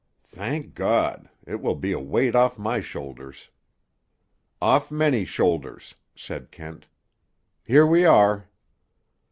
"Thank God! It will be a weight off my shoulders." "Off many shoulders," said Kent. "Here we are."